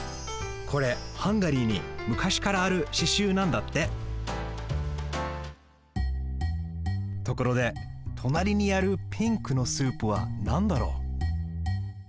これハンガリーにむかしからあるししゅうなんだってところでとなりにあるピンクのスープはなんだろう？